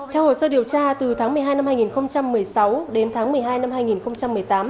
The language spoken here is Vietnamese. theo hồ sơ điều tra từ tháng một mươi hai năm hai nghìn một mươi sáu đến tháng một mươi hai năm hai nghìn một mươi tám